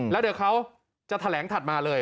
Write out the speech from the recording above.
แล้วเดี๋ยวเขาจะแถลงถัดมาเลย